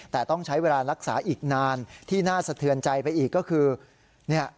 แต่ต้องใช้เวลารักษาอีกนานที่น่าสะเทือนใจไปอีกก็คือเนี่ย